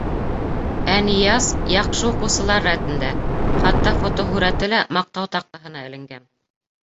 Ә Нияз яҡшы уҡыусылар рәтендә, хатта фотоһүрәте лә Маҡтау таҡтаһына эленгән.